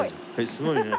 すごいね。